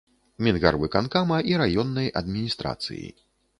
Мінгарвыканкама і раённай адміністрацыі.